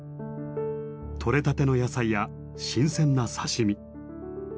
取れたての野菜や新鮮な刺身